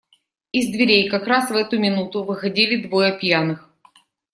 Из дверей, как раз в эту минуту, выходили двое пьяных.